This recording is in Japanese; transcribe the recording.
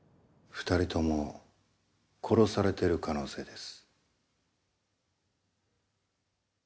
２人とも殺されている可能性です